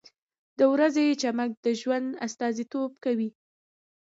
• د ورځې چمک د ژوند استازیتوب کوي.